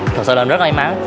thật sự là mình rất may mắn